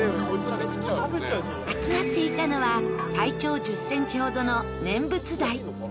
集まっていたのは体長１０ｃｍほどのネンブツダイ。